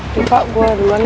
oke pak gue duluan ya